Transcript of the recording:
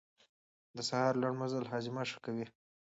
د سهار لنډ مزل هاضمه ښه کوي.